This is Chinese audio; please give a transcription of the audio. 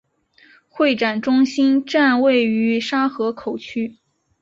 会展中心站位于沙河口区。